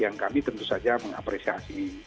dan kami tentu saja mengapresiasi